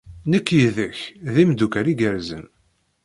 Nekk yid-k d imeddukal igerrzen.